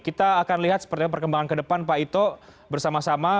kita akan lihat seperti apa perkembangan ke depan pak ito bersama sama